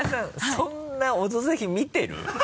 そんな「オドぜひ」見てる？